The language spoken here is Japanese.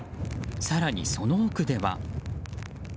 更にその奥では。